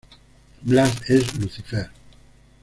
Blas es Lucifer.